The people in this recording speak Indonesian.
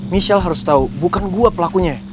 michelle harus tahu bukan gua pelakunya